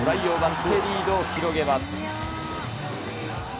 リードを広げます。